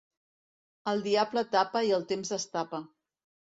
El diable tapa i el temps destapa.